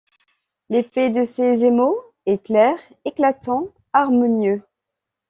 L'effet de ces émaux est clair, éclatant, harmonieux.